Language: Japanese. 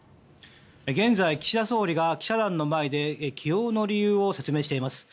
現在、岸田総理が記者団の前で起用の理由を説明しています。